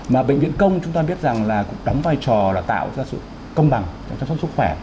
mà bệnh viện công chúng ta biết rằng là cũng đóng vai trò là tạo ra sự công bằng cho sống sức khỏe